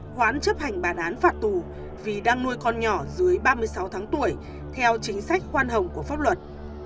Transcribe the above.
hoãn chấp hành bản án phạt tù vì đang nuôi con nhỏ dưới ba mươi sáu tháng tuổi theo chính sách khoan hồng của pháp luật